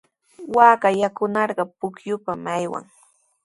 Waaka yakunarqa pukyupami aywan.